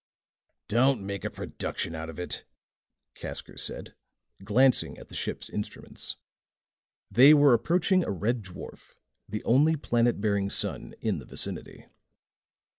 "Don't make a production out of it," Casker said, glancing at the ship's instruments. They were approaching a red dwarf, the only planet bearing sun in the vicinity.